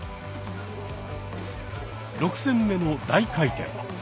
６戦目の大回転。